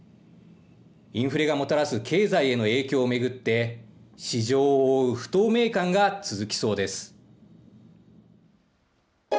インフレがもたらす経済への影響を巡って、市場を覆う不透明感が続きそうです。